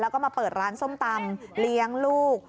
แล้วก็มาเปิดร้านส้มตำเลี้ยงลูก